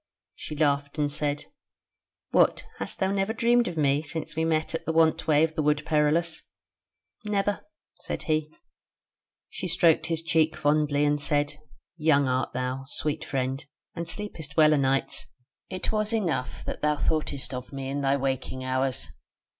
She laughed and said: "What! hast thou never dreamed of me since we met at the want way of the Wood Perilous?" "Never," said he. She stroked his cheek fondly, and said: "Young art thou, sweet friend, and sleepest well a nights. It was enough that thou thoughtest of me in thy waking hours."